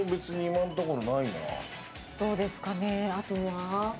なるほどどうですかねあとは？